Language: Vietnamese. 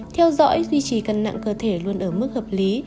theo dõi duy trì cân nặng cơ thể luôn ở mức hợp lý